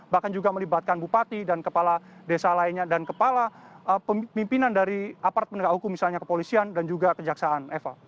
bahkan juga melibatkan bupati dan kepala desa lainnya dan kepala pemimpinan dari apart penegak hukum misalnya ke polisian dan juga ke jaksaan eva